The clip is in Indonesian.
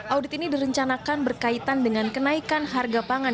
audit ini direncanakan berkaitan dengan kenaikan harga pangan